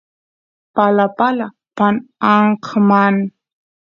palapala paan anqman